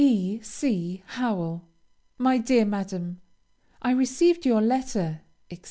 E. C. HOWELL, My dear Madam, I received your letter, etc.